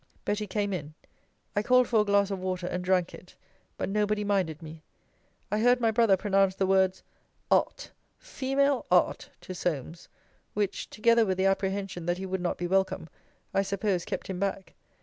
Betty came in. I called for a glass of water, and drank it: but nobody minded me. I heard my brother pronounce the words, Art! Female Art! to Solmes; which, together with the apprehension that he would not be welcome, I suppose kept him back.